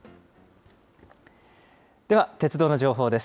では鉄道の情報です。